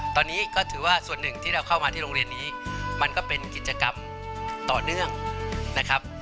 ตอนนี้ก็ถือว่าส่วนหนึ่งที่เราเข้ามาที่โรงเรียนนี้มันก็เป็นกิจกรรมต่อเนื่องนะครับ